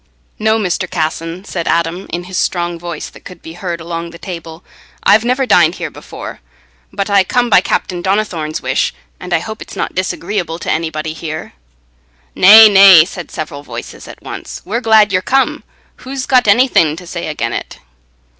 "No, Mr. Casson," said Adam, in his strong voice, that could be heard along the table; "I've never dined here before, but I come by Captain Donnithorne's wish, and I hope it's not disagreeable to anybody here." "Nay, nay," said several voices at once, "we're glad ye're come. Who's got anything to say again' it?"